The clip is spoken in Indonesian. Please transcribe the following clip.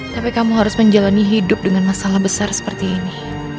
tapi kamu harus menjalani hidup dengan masalah besar seperti ini